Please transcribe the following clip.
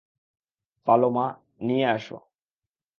Paloma, নিয়ে আসো।